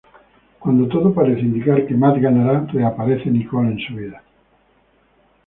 Cuando todo parece indicar que Matt ganará, reaparece Nicole en su vida.